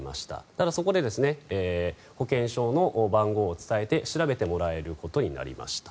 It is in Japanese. ただ、そこで保険証の番号を伝えて調べてもらえることになりました。